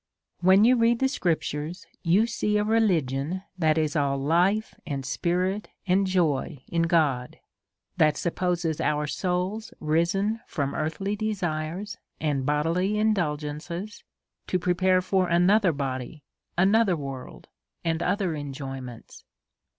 When you read the scriptures you see a religion that is all life, and spirit, and joy in G^d; that sup poses our soul risen from earthly desires, and bodily indulgences, to prepare for another body, another world, and other enjoyments.